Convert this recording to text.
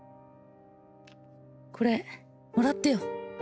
これもらってよ